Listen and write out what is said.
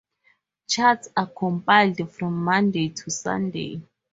Charts are compiled from Monday to Sunday.